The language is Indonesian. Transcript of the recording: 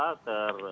dan sudah terkendali